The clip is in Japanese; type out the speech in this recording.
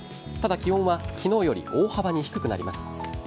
ただ、気温は昨日より大幅に低くなります。